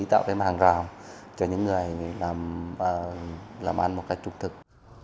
tạo ra hàng rào cho những người làm ăn một cách trung thực